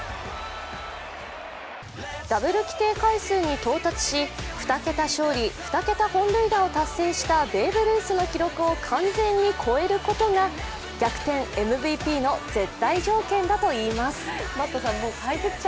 ダブル規定回数に到達し二桁勝利・二桁本塁打を達成したベーブ・ルースの記録を完全に超えることが逆転ＭＶＰの絶対条件だといいます。